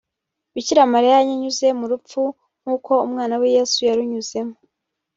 Bikira Mariya yanyuze mu rupfu nk’uko umwana we Yezu yarunyuzemo